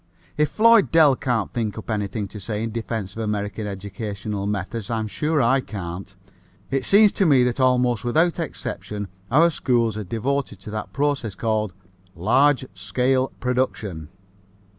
If Floyd Dell can't think up anything to say in defense of American educational methods I'm sure I can't. It seems to me that almost without exception our schools are devoted to that process called "large scale production."